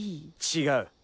違う！